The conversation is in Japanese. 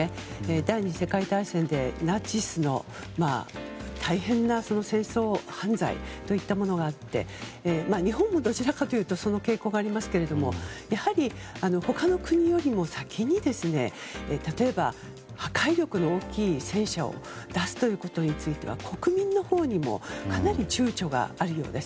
第２次世界大戦でナチスの大変な戦争犯罪といったものがあって日本もどちらかというとその傾向がありますけれどもやはり、他の国よりも先に例えば、破壊力の大きい戦車を出すことについては国民のほうにもかなり躊躇があるようです。